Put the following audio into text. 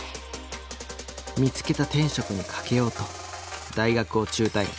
見つけた天職にかけようと大学を中退。